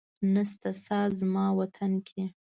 نسته ساه زما وطن کي